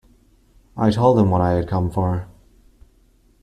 I told him what I had come for.